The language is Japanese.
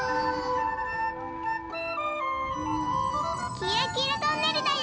きらきらトンネルだよ。